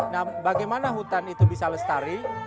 nah bagaimana hutan itu bisa lestari